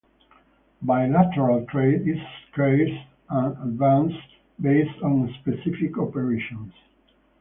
Bilateral trade is scarce and advances based on specific operations.